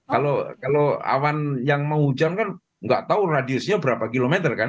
kalau awan yang mau hujan kan nggak tahu radiusnya berapa kilometer kan